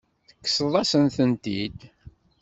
Tekkseḍ-asent-tent-id.